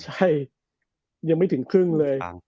ใช่ยังไม่ถึงครึ่งเลย